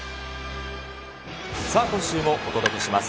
今週もお届けします。